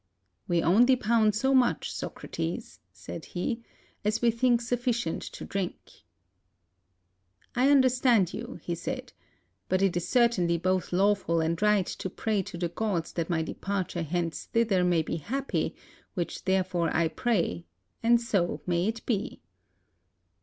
" "We only pound so much, Socrates," he said, "as we think sufficient to drink." "I understand you," he said, "but it is certainly both lawful and right to pray to the gods that my departure hence thither may be happy; which therefore I pray, and so may it be."